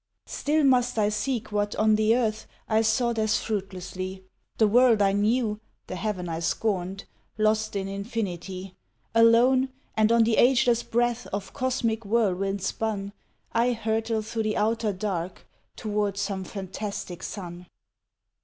Still must I seek what on the earth I sought as fruitlessly The world I knew, the heaven I scorned Lost in infinity: Alone, and on the ageless breath Of cosmic whirlwinds spun, I hurtle through the outer dark Toward some fantastic sun!